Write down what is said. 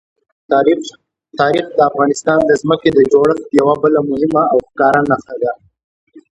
تاریخ د افغانستان د ځمکې د جوړښت یوه بله مهمه او ښکاره نښه ده.